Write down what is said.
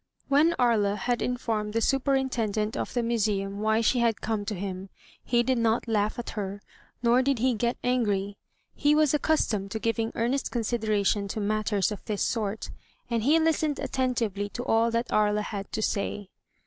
2^ THE TREASURE CHEST When Aria had informed the superintendent of the museum why she had come to him, he did not laugh at her nor did he get angry. He was accustomed to giving earnest consideration to matters of this sort, and he listened attentively to all that Aria had to say.